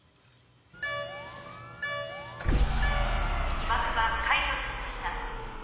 起爆は解除されました。